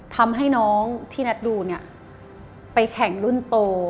ทำให้น้องที่นัทดูเนี่ยไปแข่งรุ่นโต